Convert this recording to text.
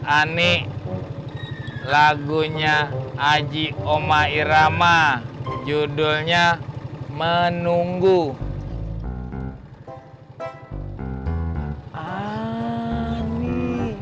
ani lagunya aji omairama judulnya menunggu ani